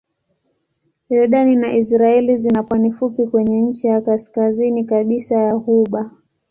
Yordani na Israel zina pwani fupi kwenye ncha ya kaskazini kabisa ya ghuba.